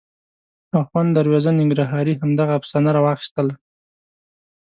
اخوند دروېزه ننګرهاري همدغه افسانه راواخیستله.